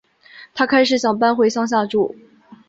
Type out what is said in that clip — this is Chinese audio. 她开始想搬回乡下住